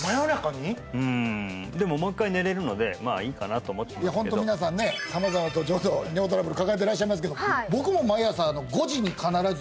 うんでももう一回寝れるのでまあいいかなと思っていやホント皆さんね様々な状況尿トラブル抱えてらっしゃいますけど僕もあっ必ず？